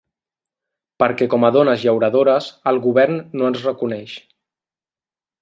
Perquè com a dones llauradores el govern no ens reconeix.